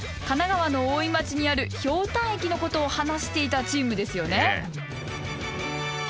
神奈川の大井町にあるひょうたん駅のことを話していたチームですよね。